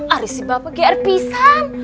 aduh si bapak grp san